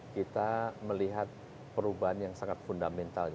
kita melihat perubahan yang sangat fundamental